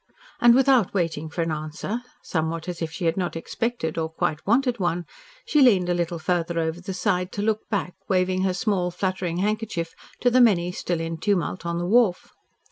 And without waiting for an answer somewhat as if she had not expected or quite wanted one she leaned a little farther over the side to look back, waving her small, fluttering handkerchief to the many still in tumult on the wharf.